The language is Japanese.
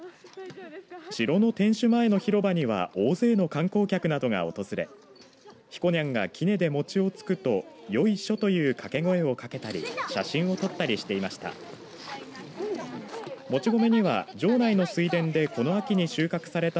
城の天守前の広場には大勢の観光客などが訪れひこにゃんがきねで餅をつくとよいしょという掛け声をかけたり写真を撮ったりしていました。